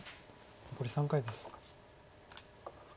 残り３回です。